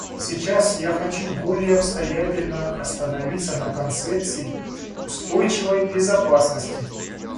Сейчас я хочу более обстоятельно остановиться на концепции "устойчивой безопасности".